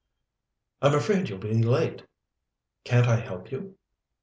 "I'm afraid you'll be late. Can't I help you?"